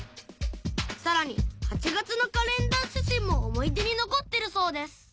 さらに８月のカレンダー写真も思い出に残ってるそうです